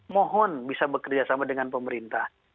mohon bisa bekerjasama dengan pemerintah